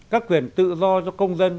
các quyền tự do cho công dân